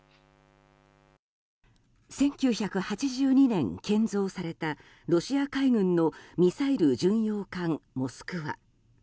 １９８２年に建造されたロシア海軍のミサイル巡洋艦「モスクワ」。